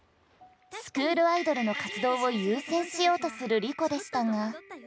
スクールアイドルの活動を優先しようとする梨子でしたが。